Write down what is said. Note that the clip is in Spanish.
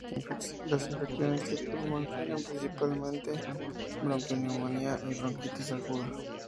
Las infecciones del pulmón eran principalmente bronconeumonía o bronquitis aguda.